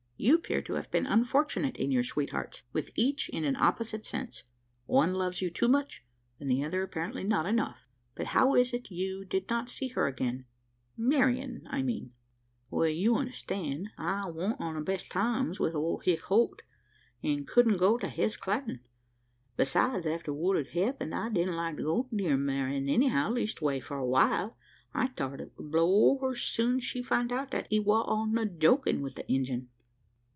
You appear to have been unfortunate in your sweethearts with each in an opposite sense. One loves you too much, and the other apparently not enough! But how is it you did not see her again Marian I mean!" "Well, you understand, I wan't on the best of tarms wi' old Hick Holt, an' couldn't go to his clarin'. Besides after what had happened. I didn't like to go near Marian anyhow leastway for a while. I thort it would blow over 's soon's she'd find out that E war only jokin' wi' the Injun."